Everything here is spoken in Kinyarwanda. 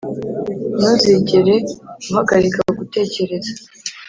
ntuzigere uhagarika gutekereza